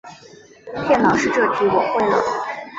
骗老师这题我会了